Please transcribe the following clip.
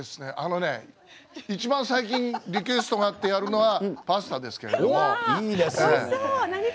一番最近リクエストがあってやるのはパスタですけれども。